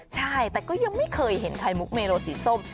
ใช่แต่ก็ยังไม่เคยเห็นไข่มุกเมโลสีส้ม